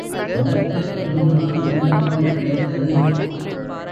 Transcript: அதற்கு இன்றுதான் சந்தர்ப்பம் கிடைத்தது.